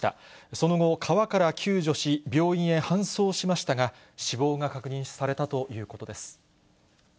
その後、川から救助し、病院へ搬送しましたが、死亡が確認されたということです。